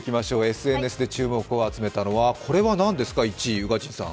ＳＮＳで注目を集めたのは、これは何ですか、１位、宇賀神さん。